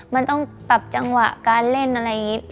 มันต้องปรับจังหวะการเล่นอะไรอย่างนี้